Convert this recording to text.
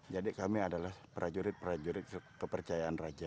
kami adalah prajurit prajurit kepercayaan raja